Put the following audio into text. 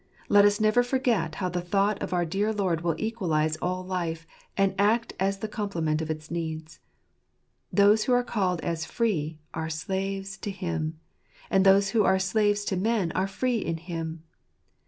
Let us never forget how the thought of our dear Lord will equalize all life, and act as the comple ment of its needs. Those who are called as free, are slaves to Him 5 and those who are slaves to men are free in Him.